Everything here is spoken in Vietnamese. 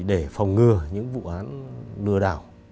để phòng ngừa những vụ án lừa đảo